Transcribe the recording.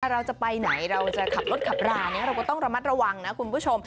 เราจะไปไหนเราจะขับรถขับราเราก็ต้องระมัดระวังนะคุณผู้ชม